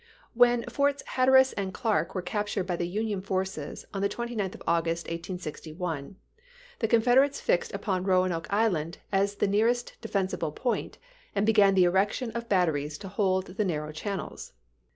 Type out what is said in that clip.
When Forts Hatteras and Clark were captured by the Union forces on the 29th of August, 1861, the Confederates fixed upon Roanoke Island as the nearest defensible point, and began the erection of batteries to hold the narrow channels.